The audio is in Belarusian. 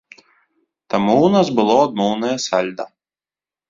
Таму ў нас было адмоўнае сальда.